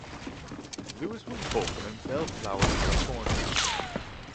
Lewis was born in Bellflower, California.